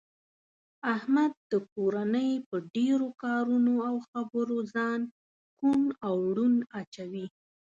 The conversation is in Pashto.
احمد د کورنۍ په ډېرو کارونو او خبرو ځان کوڼ او ړوند اچوي.